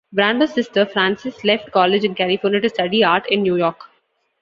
Brando's sister Frances left college in California to study art in New York.